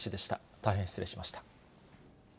大変失礼しました。